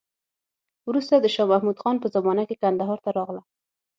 وروسته د شا محمود خان په زمانه کې کندهار ته راغله.